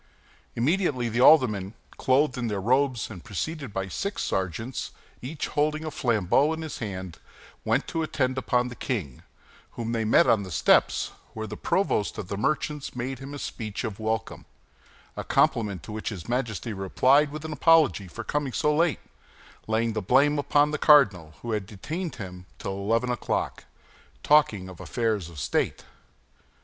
Immediately the aldermen, clothed in their cloth robes and preceded by six sergeants, each holding a flambeau in his hand, went to attend upon the king, whom they met on the steps, where the provost of the merchants made him the speech of welcome—a compliment to which his Majesty replied with an apology for coming so late, laying the blame upon the cardinal, who had detained him till eleven o'clock, talking of affairs of state.